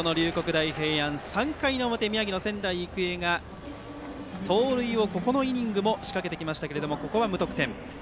大平安、３回の表宮城の仙台育英が盗塁をここのイニングでも仕掛けてきましたが無得点。